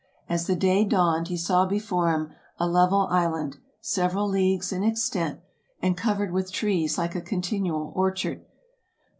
As the day dawned, he saw before him a level island, several leagues in extent, and covered with trees like a continual orchard.